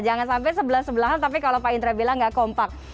jangan sampai sebelah sebelahan tapi kalau pak indra bilang nggak kompak